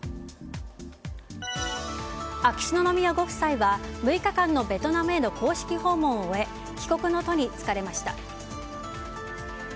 秋篠宮ご夫妻は６日間のベトナムへの公式訪問を終え帰国の途に就かれました。